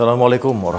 assalamualaikum wr wb